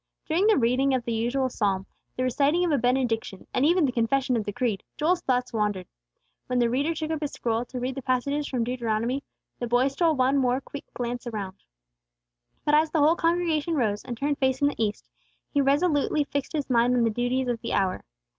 During the reading of the usual psalm, the reciting of a benediction, and even the confession of the creed, Joel's thoughts wandered. When the reader took up his scroll to read the passages from Deuteronomy, the boy stole one more quick glance all around. But as the whole congregation arose, and turned facing the east, he resolutely fixed his mind on the duties of the hour.